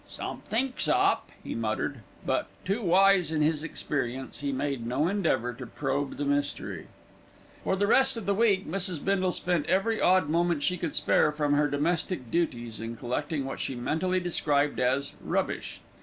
"Somethink's up," he muttered; but, too wise in his experience, he made no endeavour to probe the mystery. For the rest of the week Mrs. Bindle spent every odd moment she could spare from her domestic duties in collecting what she mentally described as "rubbish".